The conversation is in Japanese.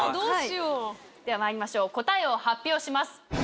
ではまいりましょう答えを発表します。